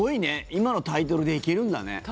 今のタイトルで行けるんだね。